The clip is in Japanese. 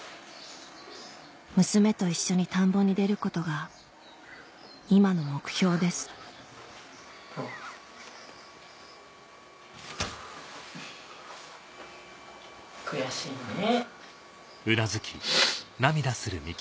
娘と一緒に田んぼに出ることが今の目標です悔しいね。